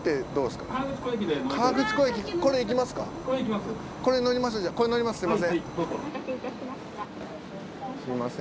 すみません。